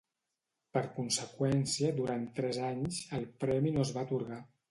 Per conseqüència durant tres anys, el premi no es va atorgar.